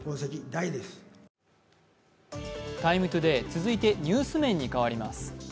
「ＴＩＭＥ，ＴＯＤＡＹ」続いてニュース面に替わります。